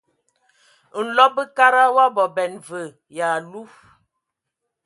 Nlɔb bəkada wa bɔban və yalu.